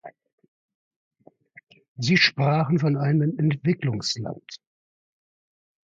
Sie sprachen von einem Entwicklungsland.